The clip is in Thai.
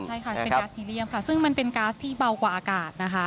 ใช่ค่ะเป็นก๊สซีเรียมค่ะซึ่งมันเป็นก๊าซที่เบากว่าอากาศนะคะ